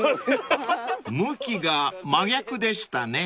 ［向きが真逆でしたね］